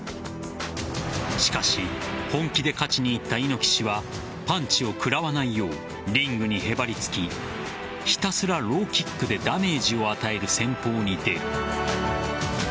しかし本気で勝ちにいった猪木氏はパンチを食らわないようリングにへばりつきひたすらローキックでダメージを与える戦法に出る。